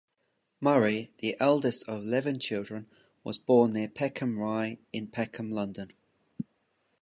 Murray, the eldest of eleven children, was born near Peckham Rye in Peckham, London.